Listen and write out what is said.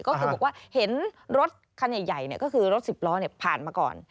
ก็คือบอกว่าเห็นรถคันใหญ่ก็คือรถสิบล้อผ่านมาก่อน